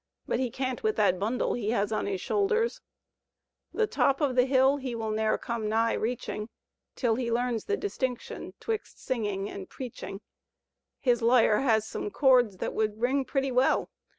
But he can't with that bundle he has on his shoulders; The top of the hill he will ne'er come nigh reaching Till he learns the distinction 'twixt singing and preaching; His lyre has some chords that would ring pretty well.